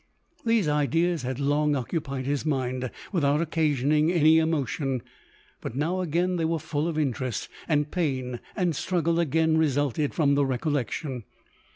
These ideas had long occupied his mind, without occasioning any emo tion. But now again they were full of interest ; and pain and struggle again resulted from tin recollection.